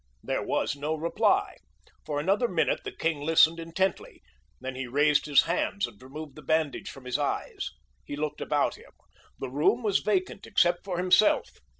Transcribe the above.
There was no reply. For another minute the king listened intently; then he raised his hands and removed the bandage from his eyes. He looked about him. The room was vacant except for himself.